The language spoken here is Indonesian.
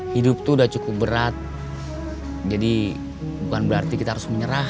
hidup itu udah cukup berat jadi bukan berarti kita harus menyerah